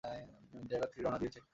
Dagger three, রওনা দিয়েছে।